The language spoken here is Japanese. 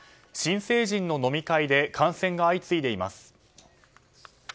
新成人の飲み会で感染が相次いでいます。